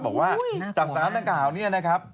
บอกว่าจากสถานทางกล่าวนี้นะครับ